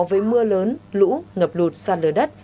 với mưa lớn lũ ngập lụt sạt lở đất